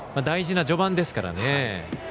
大事な序盤ですからね。